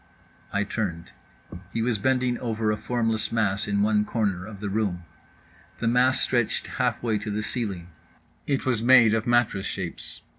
_" I turned. He was bending over a formless mass in one corner of the room. The mass stretched halfway to the ceiling. It was made of mattress shapes.